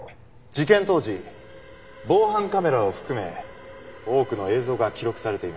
事件当時防犯カメラを含め多くの映像が記録されていました。